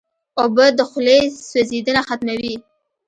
اوبه د خولې سوځېدنه ختموي.